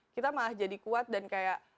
kita malah jadi kuat dan kayak